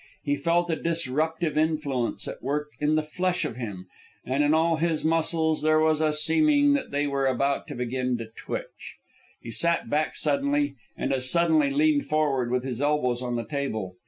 He felt a disruptive influence at work in the flesh of him, and in all his muscles there was a seeming that they were about to begin to twitch. He sat back suddenly, and as suddenly leaned forward with his elbows on the table.